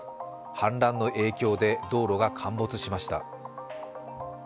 氾濫の影響で道路が陥没しました。